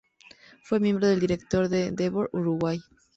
Fue miembro del Directorio de Endeavor Uruguay.